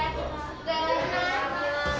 いただきます。